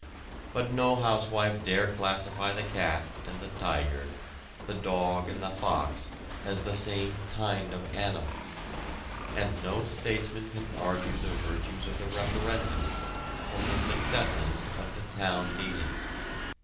But no housewife dare classify the cat and the tiger, the dog and the fox, as the same kind of animal. And no statesman can argue the virtues of the referendum from the successes of the town meeting.